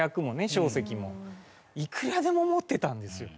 硝石もいくらでも持ってたんですよ。